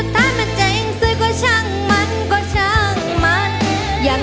แต่พอเอาก็จริง